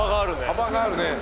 幅があるね。